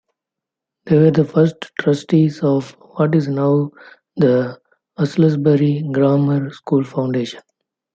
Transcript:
They were the first trustees of what is now the Aylesbury Grammar School Foundation.